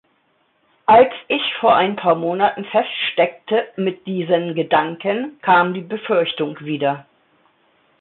Als ich vor ein paar Monaten feststeckte mit diesen Gedanken, kam die Befürchtung wieder.